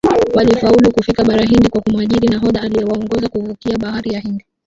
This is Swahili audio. Walifaulu kufika bara Hindi kwa kumuajiri nahodha aliyewaongoza kuvukia Bahari ya Hindi